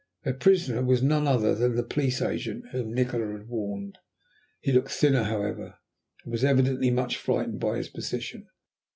Their prisoner was none other than the Police Agent whom Nikola had warned. He looked thinner, however, and was evidently much frightened by his position.